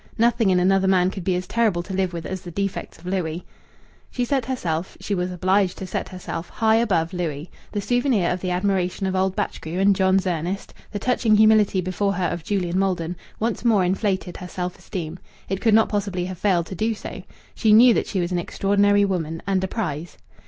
Nothing in another man could be as terrible to live with as the defects of Louis. She set herself she was obliged to set herself high above Louis. The souvenir of the admiration of old Batchgrew and John's Ernest, the touching humility before her of Julian Maldon, once more inflated her self esteem it could not possibly have failed to do so. She knew that she was an extraordinary woman, and a prize.